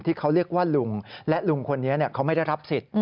ที่เขาเรียกว่าลุงและลุงคนนี้เขาไม่ได้รับสิทธิ์